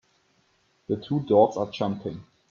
The two dogs are jumping.